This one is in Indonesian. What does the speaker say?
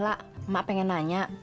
ella mak pengen nanya